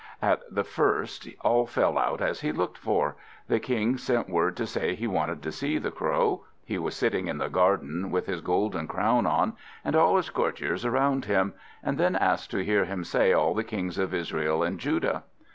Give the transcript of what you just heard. At the first all fell out as he looked for. The King sent word to say he wanted to see the Crow. He was sitting in the garden, with his gold crown on, and all his courtiers around him; and then asked to hear him say all the kings of Israel and Judah.